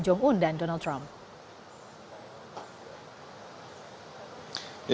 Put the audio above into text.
bagaimana perkembangan yang anda lihat di dalamnya